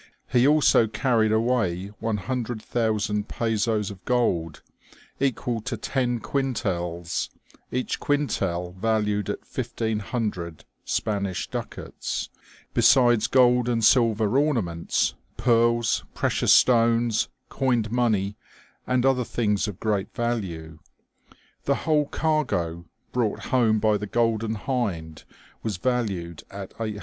He also carried away 100,000 pezoes of gold^ equal to ten quintals, each quintal valued at 1500 Spanish ducats, besides gold and silver ornaments, pearls, precious stones, coined money, and other things of great value. The whole cargo brought home by the Golden Hind was valued at £800,000.